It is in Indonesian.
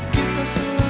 kenapa lo capek